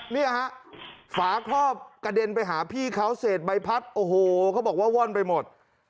เนี่ยฮะฝาครอบกระเด็นไปหาพี่เขาเศษใบพัดโอ้โหเขาบอกว่าว่อนไปหมด